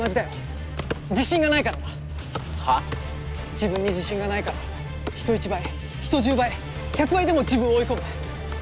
自分に自信がないから人一倍人十倍百倍でも自分を追い込む。